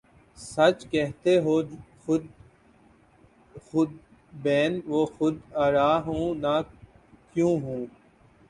سچ کہتے ہو خودبین و خود آرا ہوں نہ کیوں ہوں